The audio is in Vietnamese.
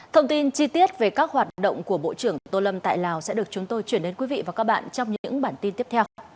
thông tin chi tiết về các hoạt động của bộ trưởng tô lâm tại lào sẽ được chúng tôi chuyển đến quý vị và các bạn trong những bản tin tiếp theo